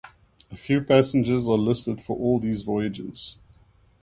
A few passengers are listed for all of these voyages.